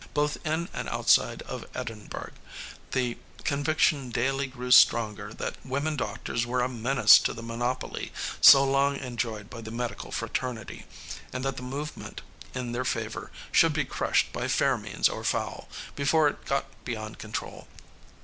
Both in and outside of Edinburgh the conviction daily grew stronger that women doctors were a menace to the monopoly so long enjoyed by the medical fraternity, and that the movement in their favor should be crushed by fair means or foul before it got beyond control.